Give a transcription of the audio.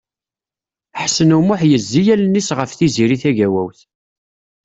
Ḥsen U Muḥ yezzi allen-is ɣef Tiziri Tagawawt.